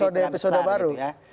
nggak ada episode episode baru